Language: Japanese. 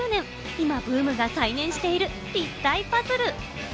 今ブームが再燃している立体パズル。